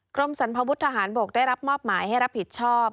กรมสรรพวุฒิทหารบกได้รับมอบหมายให้รับผิดชอบ